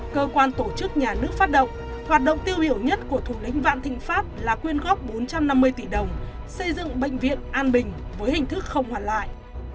cơ quan tổ chức nhà nước phát động hoạt động tiêu biểu nhất của thủ lĩnh vạn thịnh pháp là quyên góp bốn trăm năm mươi tỷ đồng xây dựng bệnh viện an bình với hình thức không hoàn lại